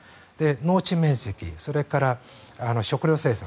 農地面積、それから食料生産